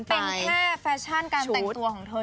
แค่แฟชั่นการแต่งตัวของเธอเฉย